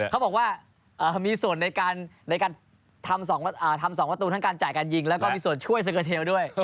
เขาบอกว่ามีส่วนในการทำ๒ประตูทั้งการจ่ายการยิงแล้วก็มีส่วนช่วยสเกอร์เทลด้วย